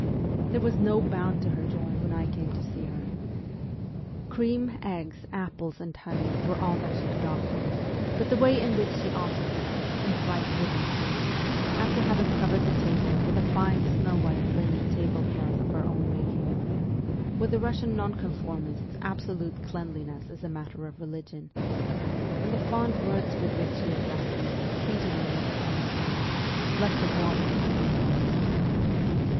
There was no bound to her joy when I came to see her. Cream, eggs, apples, and honey were all that she could offer ; but the way in which she offered them, in bright wooden plates, after having covered the table with a fine snow white linen tablecloth of her own making (with the Eussian Nonconformists absolute cleanliness is a matter of religion), and the fond words with which she addressed me, treating me as her own CHILDHOOD 53 son, left the warmest feelings in my heart.